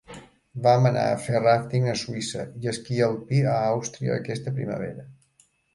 Vam anar a fer ràfting a Suïssa i esquí alpí a Àustria aquesta primavera.